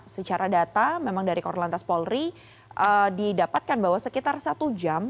secara data memang dari korlantas polri didapatkan bahwa sekitar satu jam